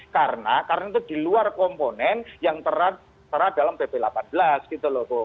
karena karena itu di luar komponen yang terhadap dalam pp delapan belas gitu loh